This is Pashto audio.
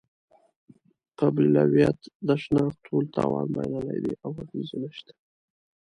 قبیلویت د شناخت ټول توان بایللی دی او اغېز یې نشته.